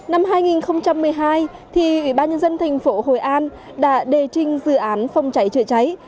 năm hai nghìn một mươi hai thì ủy ban nhân dân thành phố hồi an đã đề trình dự án phong cháy chữa cháy